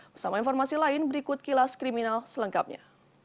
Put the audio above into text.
bersama informasi lain berikut kilas kriminal selengkapnya